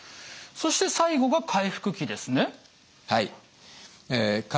そして最後が回復期ですね。